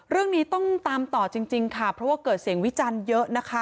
เรื่องนี้ต้องตามต่อจริงค่ะเพราะว่าเกิดเสียงวิจารณ์เยอะนะคะ